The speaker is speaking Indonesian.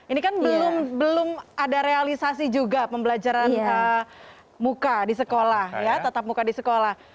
ini kan belum ada realisasi juga pembelajaran muka di sekolah ya tetap muka di sekolah